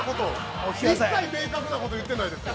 ◆一切明確なこと言ってない。